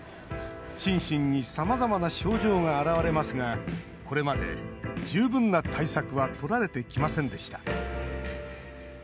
心身にさまざまな症状が現れますがこれまで十分な対策はとられてきませんでした。